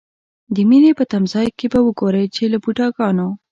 د مینې په تمځای کې به وګورئ چې له بوډاګانو.